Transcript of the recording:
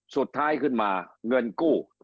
สุดท้ายขึ้นมาเงินกู้